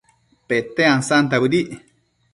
Pete ansanta bëdic